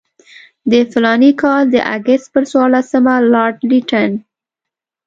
د فلاني کال د اګست پر څوارلسمه لارډ لیټن.